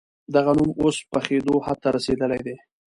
دغه نوم اوس پخېدو حد ته رسېدلی دی.